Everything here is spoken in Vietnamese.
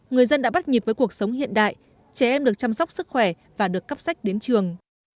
người dân đã bắt nhịp với cuộc sống hiện đại trẻ em được chăm sóc sức khỏe và được cấp sách đến trường